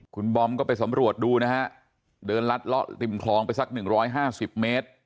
คุณบอมก็ไปสำรวจดูนะฮะเดินลัดล็อตริมคลองไปสักหนึ่งร้อยห้าสิบเมตร